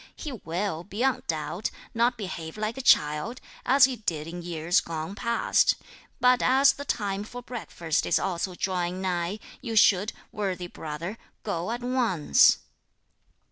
He will, beyond doubt, not behave like a child, as he did in years gone past. But as the time for breakfast is also drawing nigh, you should, worthy brother, go at once."